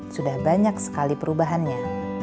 sudah banyak sekali perubahannya